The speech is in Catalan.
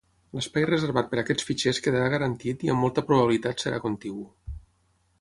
L'espai reservat per a aquests fitxers quedarà garantit i amb molta probabilitat serà contigu.